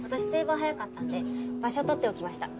番早かったんで場所取っておきました